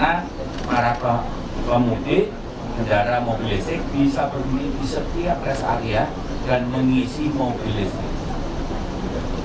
karena para pemudik kendaraan mobilistik bisa berbunyi di setiap res area dan mengisi mobilistik